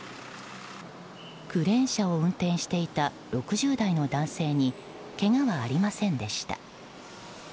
クレーン車を運転していた６０代の男性にけがはありませんでした。